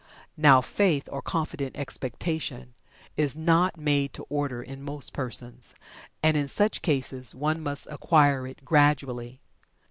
Now, faith or confident expectation is not made to order in most persons, and in such cases one must acquire it gradually.